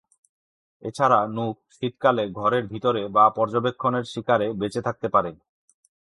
এছাড়া, নুক শীতকালে ঘরের ভিতরে বা পর্যবেক্ষণের শিকারে বেঁচে থাকতে পারে।